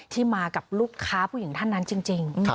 มากับลูกค้าผู้หญิงท่านนั้นจริง